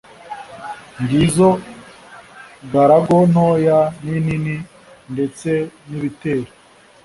ngizo galago ntoya n'inini ndetse n'ibitera.